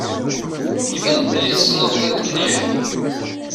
Iban belli tessneḍ-tent mliḥ.